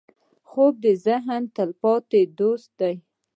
خوب د ذهن تلپاتې دوست دی